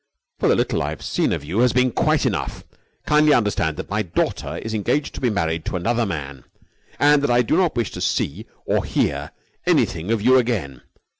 "For the little I have seen of you has been quite enough! Kindly understand that my daughter is engaged to be married to another man, and that I do not wish to see or hear anything of you again!